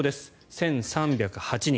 １３０８人。